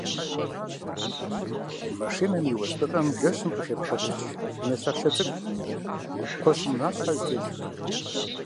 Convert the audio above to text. Машинэм и уэздыгъэм жэщым къыхепхъуэтыкӏ унэ лъахъшэ цӏыкӏу кхъуэщын унащхьэ зытелъхэр.